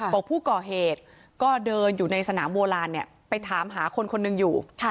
บอกผู้ก่อเหตุก็เดินอยู่ในสนามโบราณไปถามหาคนคนหนึ่งอยู่